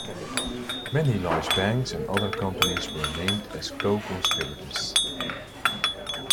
Many large banks and other companies were named as 'co-conspirators'